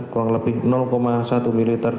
kurang lebih satu ml